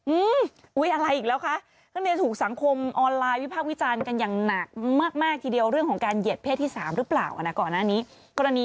อืมอุ๊ยอะไรอีกแล้วคะเรื่องนี้ถูกสังคมออนไลน์วิพากษ์วิจารณ์กันอย่างหนักมากทีเดียวเรื่องของการเหยียดเพศที่สามหรือเปล่าอ่ะนะก่อนหน้านี้กรณี